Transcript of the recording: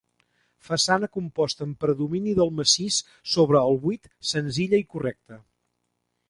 Façana composta amb predomini del massís sobre el buit, senzilla i correcta.